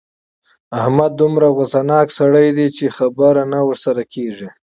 احمد دومره غوسناک سړی دی چې خبره نه ورسره کېږي.